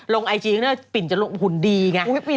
ลงไอจีปิ่นจะลงหุ่นดีไง